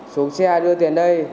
xuống xe đưa tiền đây